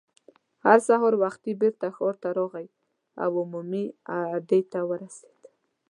هغه سهار وختي بېرته ښار ته راغی او عمومي اډې ته ورسېد.